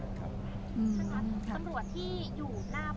ถ้างั้นตำรวจที่อยู่หน้าบน